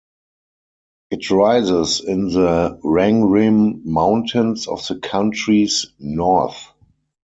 It rises in the Rangrim Mountains of the country's north.